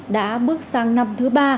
đã bước sang năm thứ ba